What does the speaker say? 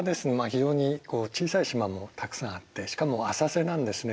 非常に小さい島もたくさんあってしかも浅瀬なんですね